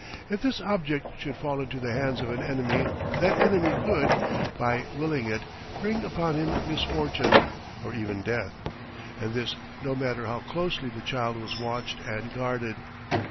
If this object should fall into the hands of an enemy that enemy could, by willing it, bring upon him misfortune or even death, and this no matter how closely the child was watched and guarded.